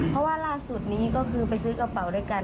เพราะว่าล่าสุดนี้ก็คือไปซื้อกระเป๋าด้วยกัน